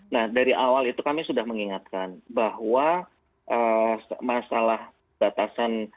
nah dari awal itu kami sudah mengingatkan bahwa masalah batasan